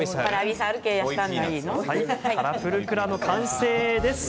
カラプルクラの完成です。